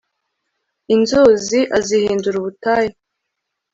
inzuzi azihindura ubutayu